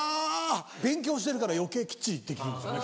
勉強してるから余計きっちりできるんですよね。